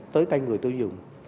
tới tay người tư dường